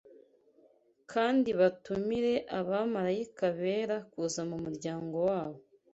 kandi batumire abamarayika bera kuza mu muryango wabo